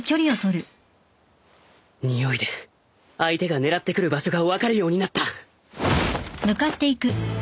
においで相手が狙ってくる場所が分かるようになった